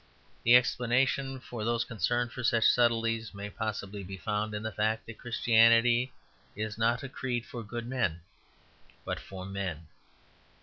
The explanation, for those concerned for such subtleties, may possibly be found in the fact that Christianity is not a creed for good men, but for men.